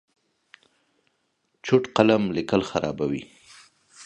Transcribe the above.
چوټ قلم لیکل خرابوي.